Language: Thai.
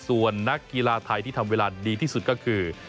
ส่วนนักกีฬาไทยที่ทำเวลาดีที่สุดก็คือ